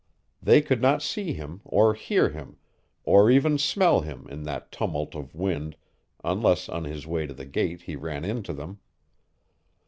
They could not see him, or hear him, or even smell him in that tumult of wind unless on his way to the gate he ran into them.